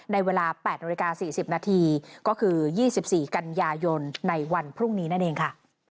ในเวลา๘นาฬิกา๔๐นาทีก็คือ๒๔กันยายนในวันพรุ่งนี้นั่นเองค่ะ